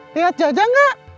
lihat jajang gak